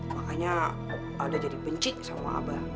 makanya alda jadi benci sama abah